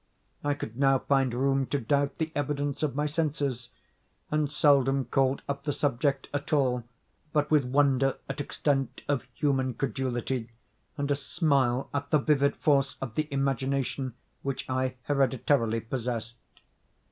I could now find room to doubt the evidence of my senses; and seldom called up the subject at all but with wonder at extent of human credulity, and a smile at the vivid force of the imagination which I hereditarily possessed.